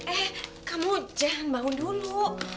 eh kamu jangan bangun dulu